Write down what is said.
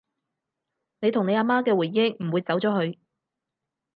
你同你阿媽嘅回憶唔會走咗去